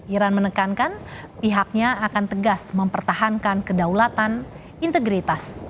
iran menekankan pihaknya akan tegas mempertahankan kedaulatan integritas